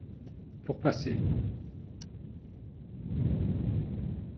Pour passer.